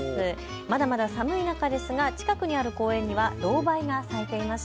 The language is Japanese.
まだまだ寒い中ですが近くにある公園にはロウバイが咲いていました。